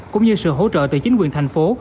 cũng như sự hỗ trợ từ chính quyền thành phố